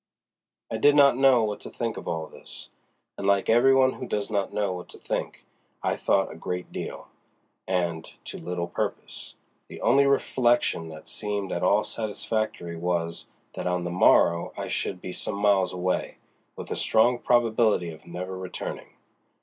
I did not know what to think of all this, and like every one who does not know what to think I thought a great deal, and to little purpose. The only reflection that seemed at all satisfactory, was, that on the morrow I should be some miles away, with a strong probability of never returning.